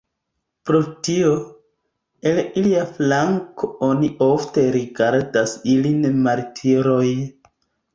Pro tio, el ilia flanko oni ofte rigardas ilin martiroj.